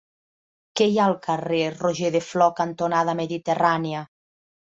Què hi ha al carrer Roger de Flor cantonada Mediterrània?